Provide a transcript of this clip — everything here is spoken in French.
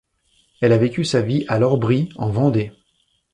Elle a vécu sa vie à L'Orbrie, en Vendée.